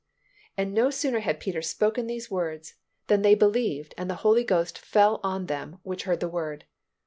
and no sooner had Peter spoken these words than they believed and "the Holy Ghost fell on them which heard the word."